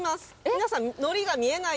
皆さん。